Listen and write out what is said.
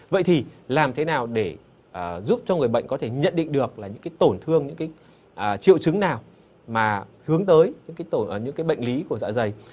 vậy thì làm thế nào để giúp cho người bệnh có thể nhận định được là những cái tổn thương những triệu chứng nào mà hướng tới những bệnh lý của dạ dày